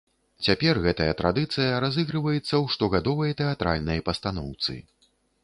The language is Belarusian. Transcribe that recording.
Цяпер гэтая традыцыя разыгрываецца ў штогадовай тэатральнай пастаноўцы.